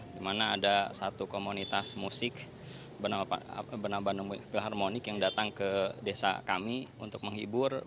dimana ada satu komunitas musik bandung philharmonic yang datang ke desa kami untuk menghibur